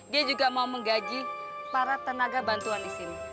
dia juga mau menggaji para tenaga bantuan di sini